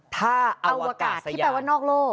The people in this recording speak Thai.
ถ้าอวกาศที่แปลว่านอกโลก